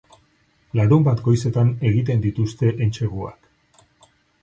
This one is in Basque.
Larunbat goizetan egiten dituzte entseguak.